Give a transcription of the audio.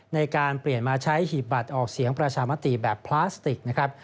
ในการเปลี่ยนมาใช้หีบบัตรออกเสียงประชามติแบบพลาสติกนะครับ